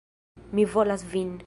Mi volas vin.